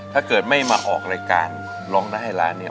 ถ้าเกิดไม่มาออกรายการร้องได้ให้ล้านเนี่ย